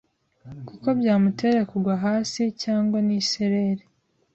kuko byamutera kugwa hasi cyangwa n’isereri.